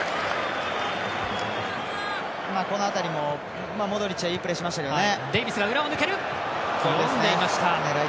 この辺りもモドリッチはいいプレーしましたけどね。